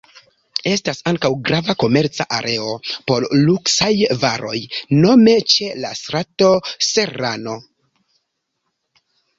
Estas ankaŭ grava komerca areo por luksaj varoj, nome ĉe la strato Serrano.